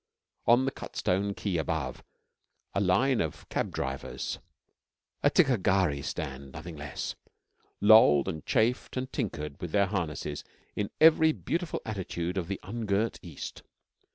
On the cut stone quay above, a line of cab drivers a ticca gharri stand, nothing less lolled and chaffed and tinkered with their harnesses in every beautiful attitude of the ungirt East.